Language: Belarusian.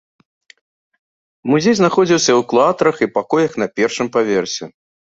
Музей знаходзіўся ў клуатрах і пакоях на першым паверсе.